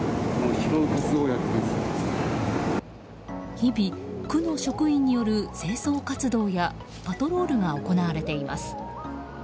日々、区の職員による清掃活動やパトロールが行われています。